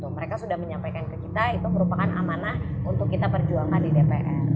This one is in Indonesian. mereka sudah menyampaikan ke kita itu merupakan amanah untuk kita perjuangkan di dpr